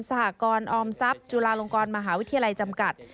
สหกรออมทรัพย์จุฬาลงกรมหาวิทยาลัยจำกัด